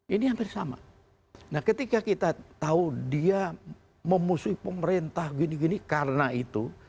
ini hampir sama nah ketika kita tahu dia memusuhi pemerintah gini gini karena itu